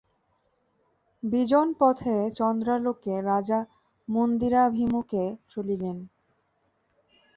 বিজন পথে চন্দ্রালোকে রাজা মন্দিরাভিমুখে চলিলেন।